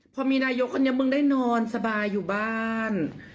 พอมีนายกคนนี้มึงได้นอนสบายอยู่บ้าน